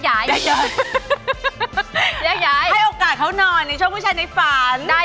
แยกย้ายแยกย้ายให้โอกาสเขานอนในช่วงผู้ชายในฝัน